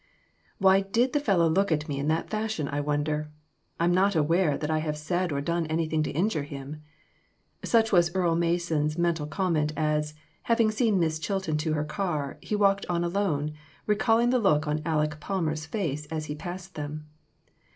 WHY did the fellow look at me in that fash ion, I wonder? I'm not aware that I have said or done anything to injure him." Such was Earle Mason's mental comment as, having seen Miss Chilton to her car, he walked on alone, recalling the look on Aleck Palmer's face as he passed them.